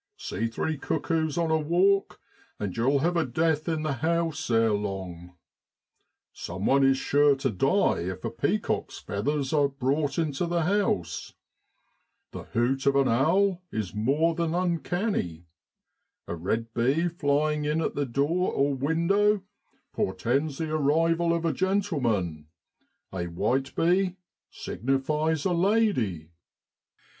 See three cuckoos on a walk, and you'll have a death in the house ere long. Someone is sure to die if peacocks' feathers are brought into the house. The hoot of an owl is more than uncanny; a red bee flying in at the door or window portends the arrival of a gentleman ; a white bee signifies a lady.